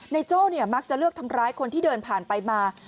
โจ้มักจะเลือกทำร้ายคนที่เดินผ่านไปมา